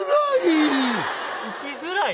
生きづらい。